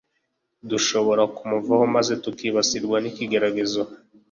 Dushobora kumuvaho maze tukibasirwa nikigeragezo